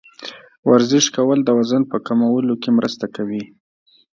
ورزش کول د وزن په کمولو کې مرسته کوي.